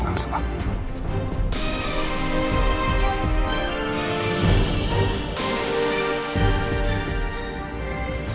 nggak ada artinya